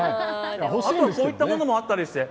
あとはこういったものもあったりして。